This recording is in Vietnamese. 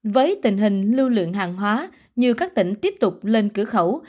với tình hình lưu lượng hàng hóa như các tỉnh tiếp tục lên cửa khẩu